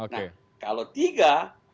nah kalau tiga